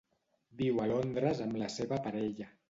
Viu a Londres amb la seva parella.